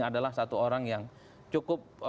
adalah satu orang yang cukup